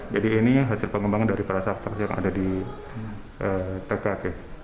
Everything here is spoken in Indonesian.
jadi ini hasil pengembangan dari para sahabat yang ada di tkk